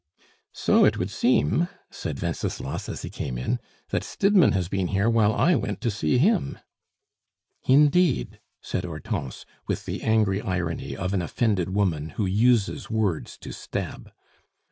"So it would seem," said Wenceslas, as he came in, "that Stidmann has been here while I went to see him." "Indeed!" said Hortense, with the angry irony of an offended woman who uses words to stab.